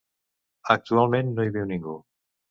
Actualment no hi viu ningú.